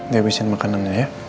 dihabisin makanannya ya